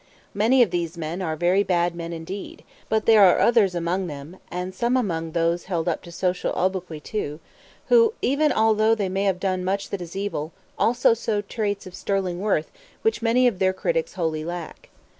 Many of these men are very bad men indeed, but there are others among them and some among those held up to special obloquy, too who, even although they may have done much that is evil, also show traits of sterling worth which many of their critics wholly lack.